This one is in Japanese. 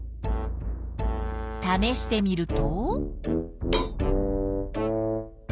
ためしてみると。